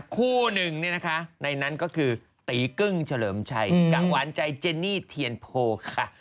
คู่หนึ่งเนี่ยนะคะในนั้นก็คือตีกึ้งเฉลิมชัยกับหวานใจเจนี่เทียนโพค่ะ